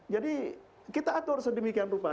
jadi kita atur sedemikian rupa